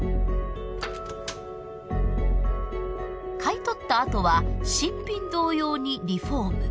買い取ったあとは新品同様にリフォーム。